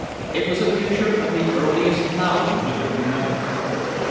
It was a picture of the earliest ploughing he could remember.